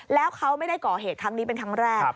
แล้วเขาไม่ได้ก่อเหตุครั้งนี้เป็นครั้งแรก